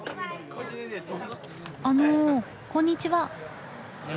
あのこんにちは。